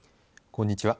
こんにちは。